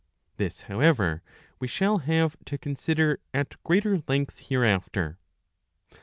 This, however, we shall have to consider at greater length hereafter.